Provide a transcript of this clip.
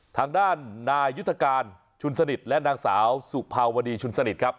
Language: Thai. ทางด้านนายุทธการชุนสนิทและนางสาวสุภาวดีชุนสนิทครับ